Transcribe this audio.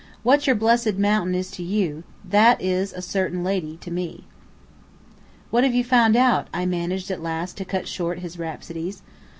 What your blessed mountain is to you, that is a certain lady to me." "What have you found out?" I managed at last to cut short his rhapsodies.